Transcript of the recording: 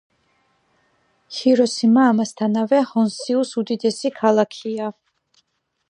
ჰიროსიმა ამასთანავე ჰონსიუს უდიდესი ქალაქია.